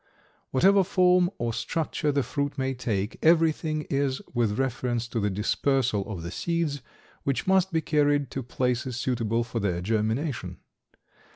Whatever form or structure the fruit may take, everything is with reference to the dispersal of the seeds, which must be carried to places suitable for their germination.